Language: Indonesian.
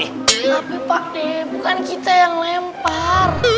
tapi pak d bukan kita yang lempar